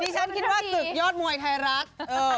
ดิฉันคิดว่าจึกโยชน์มวยไทยรักษณ์